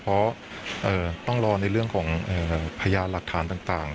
เพราะต้องรอในเรื่องของพยานหลักฐานต่าง